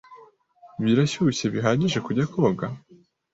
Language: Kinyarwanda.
Birashyushye bihagije kujya koga?